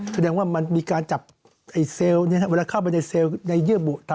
แสดงว่ามันมีการค่าขับในเซลล์ในเยื่อมบุตรา